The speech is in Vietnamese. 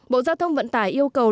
bộ giao thông vận tải yêu cầu